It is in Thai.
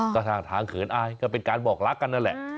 ก็ถ่างเขินอายก็เป็นการบอกลักษณ์นั่นแหละ